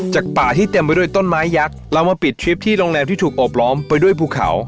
จากป่าที่เต็มไปด้วยต้นไม้ยักษ์เรามาปิดทริปที่โรงแรมที่ถูกโอบล้อมไปด้วยภูเขา